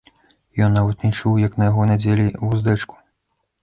Ён нават не чуў, як на яго надзелі вуздэчку.